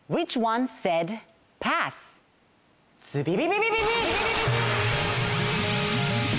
ズビビビビビビ！